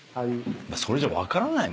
それじゃ分からないもんね。